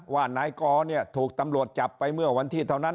ว่านายกอเนี่ยถูกตำรวจจับไปเมื่อวันที่เท่านั้น